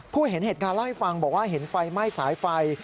เห็นเหตุการณ์เล่าให้ฟังบอกว่าเห็นไฟไหม้สายไฟ